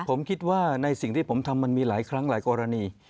ผมคิดว่าในสิ่งที่ผมทำมันมีหลายครั้งหลายกรณี